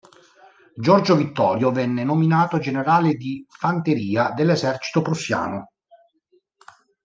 Giorgio Vittorio venne nominato generale di fanteria dell'esercito prussiano.